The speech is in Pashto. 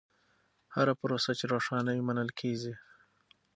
هره پروسه چې روښانه وي، منل کېږي.